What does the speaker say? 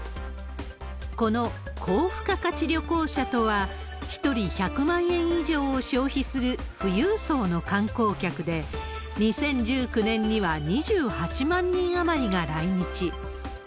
この高付加価値旅行者とは、１人１００万円以上を消費する富裕層の観光客で、２０１９年には２８万人余りが来日。